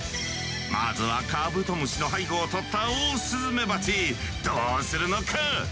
まずはカブトムシの背後をとったオオスズメバチどうするのか。